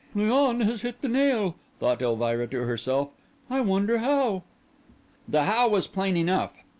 "Léon has hit the nail," thought Elvira to herself. "I wonder how." The how was plain enough.